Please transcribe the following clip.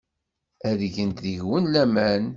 Ad gent deg-went laman.